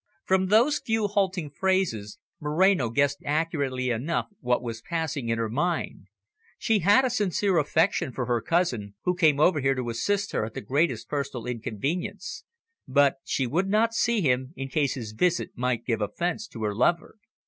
From those few halting phrases Moreno guessed accurately enough what was passing in her mind. She had a sincere affection, for her cousin, who came over here to assist her at the greatest personal inconvenience, but she would not see him, in case his visit might give offence to her lover.